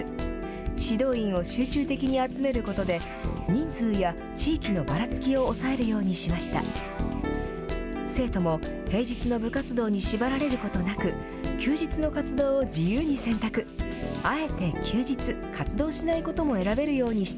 指導員を集中的に集めることで、人数や地域のばらつきを抑えるようにしました。